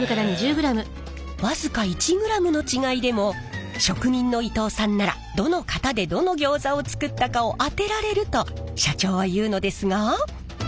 僅か１ｇの違いでも職人の伊藤さんならどの型でどのギョーザを作ったかを当てられると社長は言うのですが。